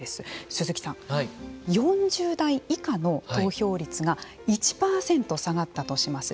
鈴木さん、４０代以下の投票率が１％下がったとします。